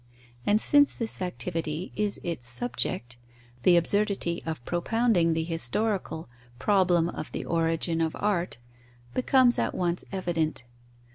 And since this activity is its subject, the absurdity of propounding the historical problem of the origin of art becomes at once evident.